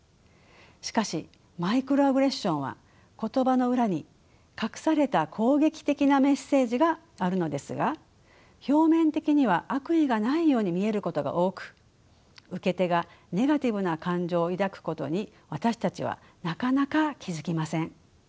しかしマイクロアグレッションは言葉の裏に隠された攻撃的なメッセージがあるのですが表面的には悪意がないように見えることが多く受け手がネガティブな感情を抱くことに私たちはなかなか気付きません。